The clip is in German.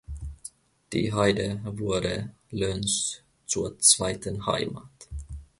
Die Heide wurde Löns zur zweiten Heimat.